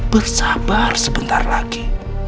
bersabar sebentar lagi